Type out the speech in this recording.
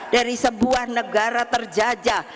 dari sebuah negara terjajah